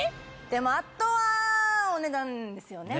でもあとはお値段ですよね。